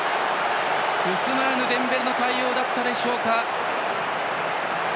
デンベレの対応だったでしょうか。